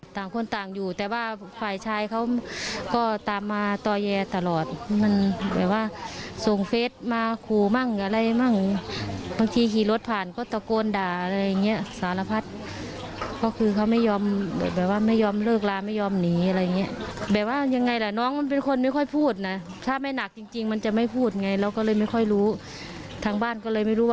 ต่างคนต่างอยู่แต่ว่าฝ่ายชายเขาก็ตามมาต่อแย่ตลอดมันแบบว่าส่งเฟสมาขู่มั่งอะไรมั่งบางทีขี่รถผ่านก็ตะโกนด่าอะไรอย่างเงี้ยสารพัดก็คือเขาไม่ยอมแบบว่าไม่ยอมเลิกลาไม่ยอมหนีอะไรอย่างเงี้ยแบบว่ายังไงล่ะน้องมันเป็นคนไม่ค่อยพูดนะถ้าไม่หนักจริงจริงมันจะไม่พูดไงเราก็เลยไม่ค่อยรู้ทางบ้านก็เลยไม่รู้